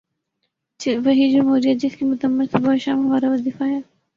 وہی جمہوریت جس کی مذمت صبح و شام ہمارا وظیفہ ہے۔